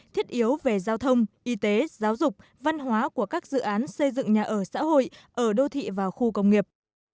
thiết yếu về giao thông y tế giáo dục văn hóa của các dự án xây dựng nhà ở xã hội ở đô thị và khu công nghiệp